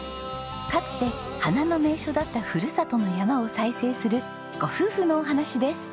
かつて花の名所だったふるさとの山を再生するご夫婦のお話です。